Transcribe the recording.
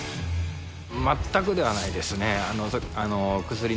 全くではないですね。